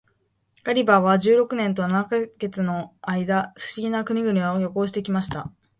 ガリバーは十六年と七ヵ月の間、不思議な国々を旅行して来ました。